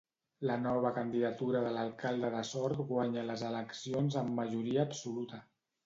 La nova candidatura de l'alcalde de Sort guanya les eleccions amb majoria absoluta.